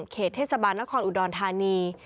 เขตเทศบาลนครอุดรธานี